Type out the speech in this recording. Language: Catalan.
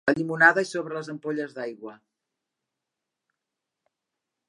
La llimonada és sobre les ampolles d'aigua.